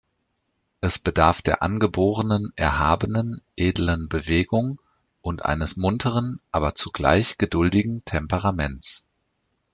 Es bedarf der angeborenen erhabenen, edlen Bewegung und eines munteren aber zugleich geduldigen Temperaments.